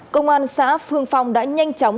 công an xã hương phong đã nhanh chóng